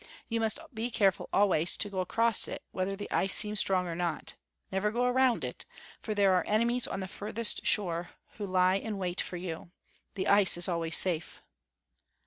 You must be careful always to go across it, whether the ice seem strong or not. Never go around it, for there are enemies on the further shore who lie in wait for you. The ice is always safe."